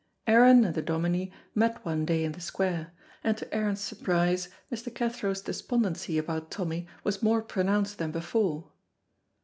Aaron and the Dominie met one day in the square, and to Aaron's surprise Mr. Cathro's despondency about Tommy was more pronounced than before.